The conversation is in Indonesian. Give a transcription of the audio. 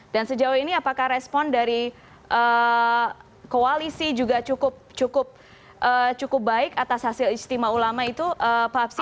dan sejauh ini apakah respon dari koalisi juga cukup baik atas hasil istimewa ulama itu pak hapsi